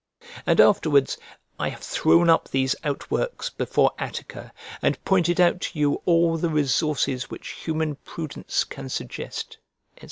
And afterwards: "I have thrown up these out works before Attica, and pointed out to you all the resources which human prudence can suggest," &c.